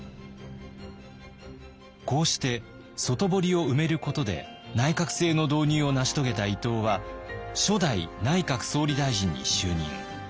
こうして外堀を埋めることで内閣制の導入を成し遂げた伊藤は初代内閣総理大臣に就任。